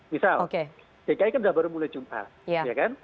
misal dki kan sudah baru mulai jumpa